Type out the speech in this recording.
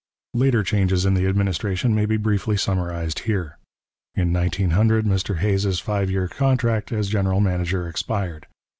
Later changes in the administration may be briefly summarized here. In 1900 Mr Hays's five year contract as general manager expired.